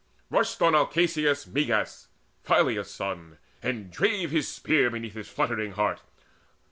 Rushed on Alcaeus Meges, Phyleus' son, And drave his spear beneath his fluttering heart.